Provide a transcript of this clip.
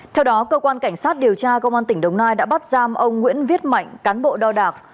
theo đó cơ quan cảnh sát điều tra công an tỉnh đồng nai đã bắt giam ông nguyễn viết mạnh cán bộ đo đạc